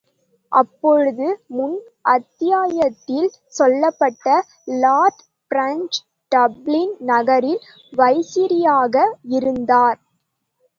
அப்பொழுது முன் அத்தியாயத்தில் சொல்லப்பட்ட லார்ட் பிரெஞ்ச் டப்ளின் நகரில் வைசிராயாக இருந்தார்.